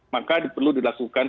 maka perlu dilakukan komunikasi